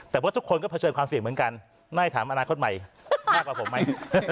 แต่ว่าทุกคนก็เผชิญความเสี่ยงเหมือนกันไม่ถามอนาคตใหม่มากกว่าผมไหม